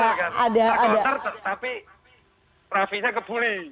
tak ter counter tapi rafinya kebuli